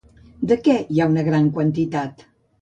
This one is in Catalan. De què hi ha una gran quantitat?